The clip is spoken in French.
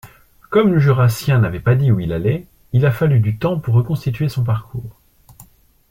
Comme le Jurassien n’avait pas dit où il allait, il a fallu du temps pour reconstituer son parcours.